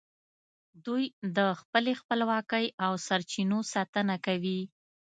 دوی د خپلې خپلواکۍ او سرچینو ساتنه کوي